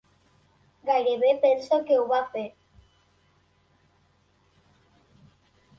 Gairebé penso que ho va fer.